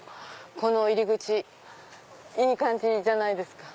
この入り口いい感じじゃないですか。